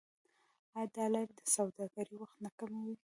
آیا دا لارې د سوداګرۍ وخت نه کموي؟